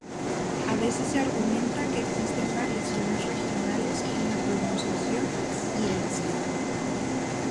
A veces se argumenta que existen variaciones regionales en la pronunciación y el acento.